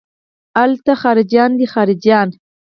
الته خارجيان دي خارجيان.